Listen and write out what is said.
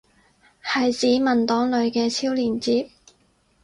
係指文檔裏嘅超連接？